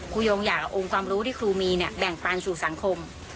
ยงอยากเอาองค์ความรู้ที่ครูมีเนี่ยแบ่งปันสู่สังคม